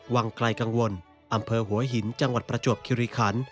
วังไกลกังวลอำเภอหัวหินจังหวัดประจวบคิริขัน